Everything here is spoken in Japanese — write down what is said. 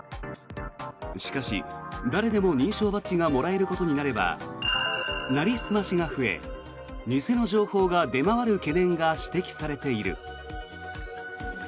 しかし、誰でも認証バッジがもらえることになればなりすましが増え偽の情報が出回る懸念が指摘されている。